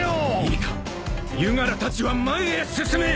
いいかゆガラたちは前へ進め！